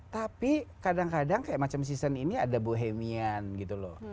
tapi kadang kadang kayak macam season ini ada bohemian gitu loh